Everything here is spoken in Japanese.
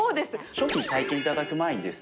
商品体験頂く前にですね